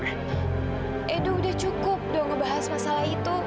aduh udah cukup dong ngebahas masalah itu